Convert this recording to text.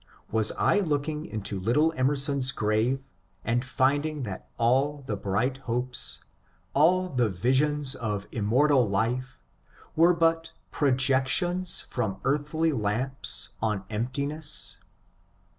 Was I looking into little Emerson's grave and finding that all the bright hopes, all the visions of immortal life, were but projections from earthly lamps on emptiness?